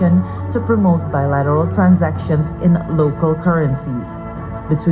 untuk mempromosikan transaksi bilateral di kuransi lokal